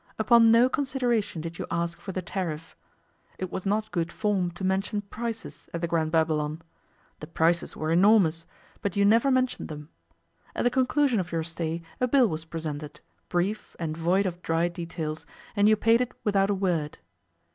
Upon no consideration did you ask for the tariff. It was not good form to mention prices at the Grand Babylon; the prices were enormous, but you never mentioned them. At the conclusion of your stay a bill was presented, brief and void of dry details, and you paid it without a word.